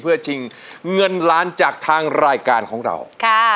เพื่อชิงเงินล้านจากทางรายการของเรา